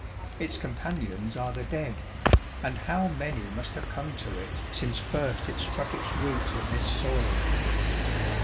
Its companions are the dead ; and how many must have come to it since first it struck its roots in this soil